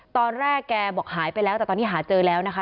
ตอนแรกแกบอกหายไปแล้วแต่ตอนนี้หาเจอแล้วนะคะ